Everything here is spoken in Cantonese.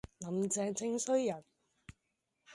林鄭正衰人